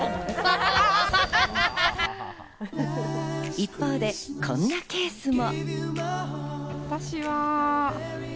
一方でこんなケースも。